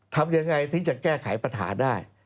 ทำยังไงที่จะแก้ไขปัญหาได้